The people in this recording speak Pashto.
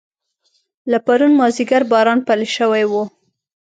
له پرون مازیګر باران پیل شوی و.